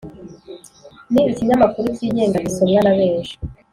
Ni ikinyamakuru cyigenga gisomwa na benshi